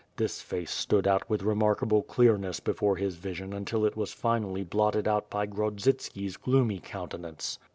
This face stood out with remarkable clearness before his vision until it was finally blotted out by (rrodsitski's gloomy countenance.